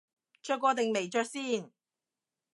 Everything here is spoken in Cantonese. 着過定未着先